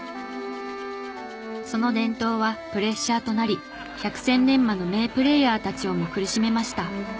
その伝統はプレッシャーとなり百戦錬磨の名プレーヤーたちをも苦しめました。